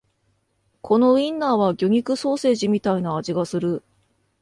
このウインナーは魚肉ソーセージみたいな味がする